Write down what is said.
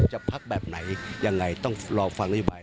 จะพักแบบไหนอย่างไรต้องรอฟังได้อยู่บ่าย